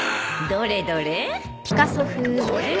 どれどれ？